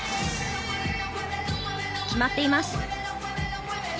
決まっています。